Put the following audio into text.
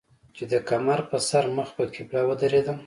چې د کمر پۀ سر مخ پۀ قبله ودرېدم